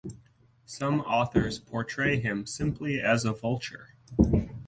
Some authors portray him simply as a vulture.